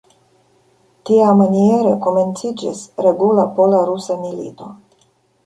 Tiamaniere komenciĝis regula pola-rusa milito.